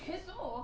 そう？